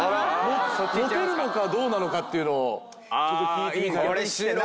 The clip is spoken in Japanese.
モテるのかどうなのかっていうのをちょっと聞いてみたい。